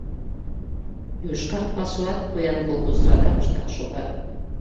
«Йошкар пасуат» поян колхоз радамыштак шога.